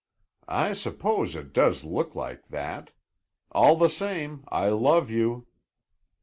"I suppose it does look like that. All the same, I love you."